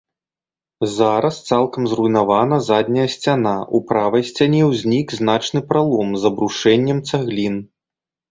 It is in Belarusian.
Зараз цалкам зруйнавана задняя сцяна, у правай сцяне ўзнік значны пралом з абрушэннем цаглін.